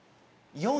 ４位。